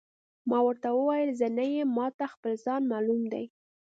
ما ورته وویل: زه نه یم، ما ته خپل ځان معلوم دی.